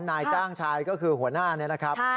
นายจ้างชายก็คือหัวหน้าเนี่ยนะครับ